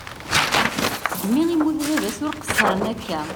Segmi i yemmut baba-s ur qesren akka.